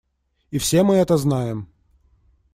И все мы это знаем.